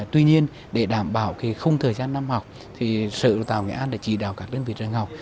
tuy nhiên để đảm bảo không thời gian năm học thì sở đồng tàu nghệ an đã chỉ đào các đơn vị trường học